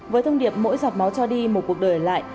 với thông điệp mỗi giọt máu cho đi một cuộc đời lại